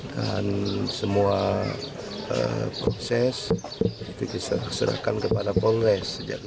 dan semua proses itu diserahkan kepada polres